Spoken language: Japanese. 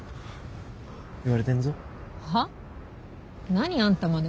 何あんたまで。